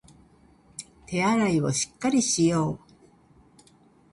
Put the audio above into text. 手洗いをしっかりしよう